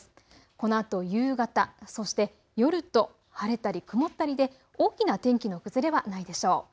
このあと夕方、そして夜と晴れたり曇ったりで大きな天気の崩れはないでしょう。